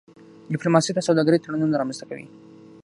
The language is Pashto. ډيپلوماسي د سوداګرۍ تړونونه رامنځته کوي.